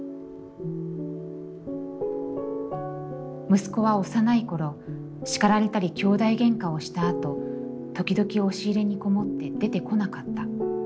「息子は幼い頃、叱られたり、きょうだいげんかをした後、ときどき押し入れにこもって出てこなかった。